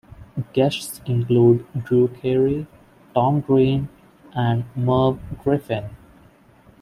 Guests included Drew Carey, Tom Green, and Merv Griffin.